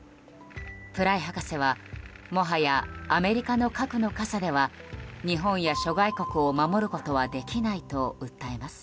プライ博士はもはやアメリカの核の傘では日本や諸外国を守ることはできないと訴えます。